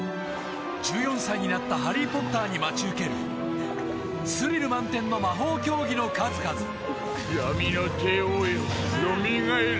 １４歳になったハリー・ポッターに待ち受けるスリル満点の魔法競技の数々闇の帝王よよみがえれ。